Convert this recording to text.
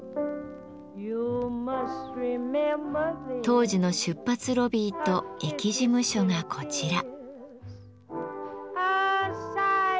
当時の出発ロビーと駅事務所がこちら。